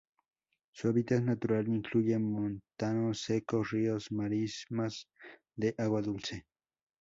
Su hábitat natural incluye montanos secos, ríos, marismas de agua dulce.